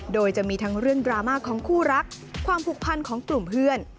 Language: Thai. โดยจะมีทั้งเรื่องดราม่าของคู่รักความผูกพันของกลุ่มเพื่อน